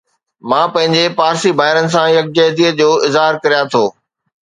مان پنهنجي پارسي ڀائرن سان يڪجهتي جو اظهار ڪريان ٿو